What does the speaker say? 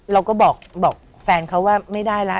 เราก็บอกแฟนเขาว่าไม่ได้แล้ว